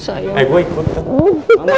selamat ulang tahun mama